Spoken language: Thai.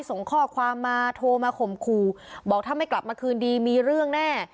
ส่งข้อความมาโทรมาข่มขู่บอกถ้าไม่กลับมาคืนดีมีเรื่องแน่